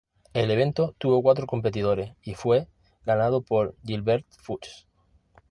El evento tuvo cuatro competidores y fue ganado por Gilbert Fuchs.